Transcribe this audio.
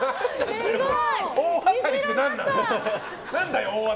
すごい！